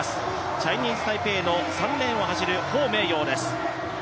チャイニーズ・タイペイの３レーンを走る彭名揚です。